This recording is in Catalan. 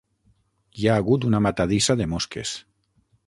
Hi ha hagut una matadissa de mosques.